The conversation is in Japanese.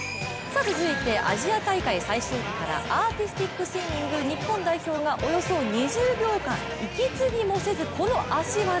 続いて、アジア大会最終日からアーティスティックスイミング日本代表がおよそ２０秒間息継ぎもせず、この足技。